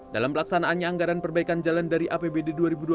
dalam pelaksanaannya anggaran perbaikan jalan dari apbd dua ribu dua puluh